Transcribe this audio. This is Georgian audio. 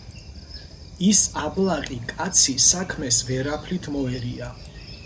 ის აბლაყი კაცი საქმეს ვერაფრით მოერია.